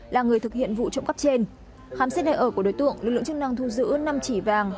là người thực hiện vụ trộm cắp trên khám xét nơi ở của đối tượng lực lượng chức năng thu giữ năm chỉ vàng